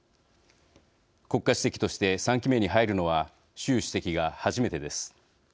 国家主席として３期目に入るのは習主席が初めてです。